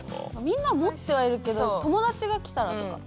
みんな持ってはいるけど友達が来たらとか。